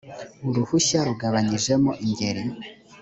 uruhushya rugabanyijemo ingeri